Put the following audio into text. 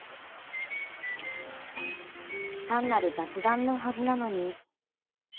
単なる雑談のはずなのに。